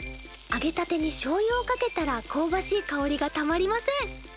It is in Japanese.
あげたてにしょうゆをかけたらこうばしい香りがたまりません！